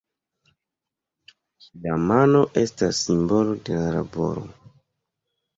La mano estas simbolo de laboro.